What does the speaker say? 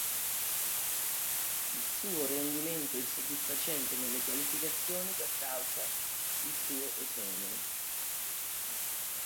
Il suo rendimento insoddisfacente nelle qualificazioni per causa il suo esonero.